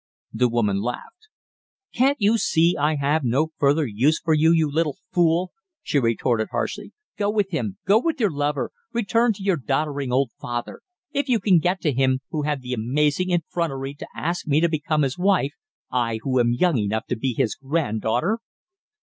The woman laughed. "Can't you see I have no further use for you, you little fool?" she retorted harshly. "Go with him go with your lover, return to your doddering old father if you can get to him who had the amazing effrontery to ask me to become his wife I, who am young enough to be his granddaughter!"